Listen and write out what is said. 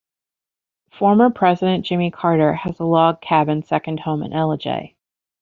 Former President Jimmy Carter has a log cabin second home in Ellijay.